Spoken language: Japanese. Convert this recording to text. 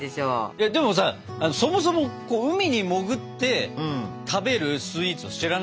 えっでもさそもそも海に潜って食べるスイーツを知らないのよ。